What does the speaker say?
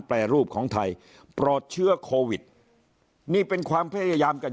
แปรรูปของไทยปลอดเชื้อโควิดนี่เป็นความพยายามกัน